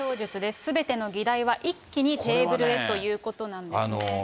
すべての議題は一気にテーブルへということなんですね。